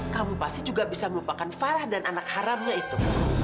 kamu pasti juga bisa melupakan farah dan anak haramnya itu